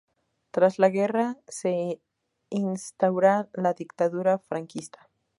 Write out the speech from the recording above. Tras la guerra, se instaura la dictadura franquista.